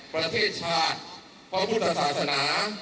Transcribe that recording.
ประเทศชาติพระพุทธศาสนา